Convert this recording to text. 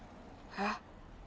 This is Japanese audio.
えっ。